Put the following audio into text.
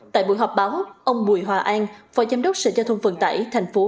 tại buổi họp báo ông bùi hòa an phó giám đốc sở giao thông vận tải tp hcm